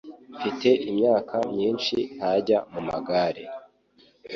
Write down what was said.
mfite imyaka myinshi ntajya mu magare